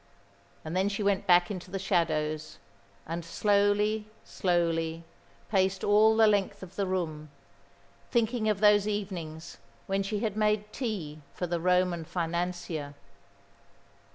And then she went back into the shadows, and slowly, slowly, paced all the length of the room, thinking of those evenings when she had made tea for the Roman financier.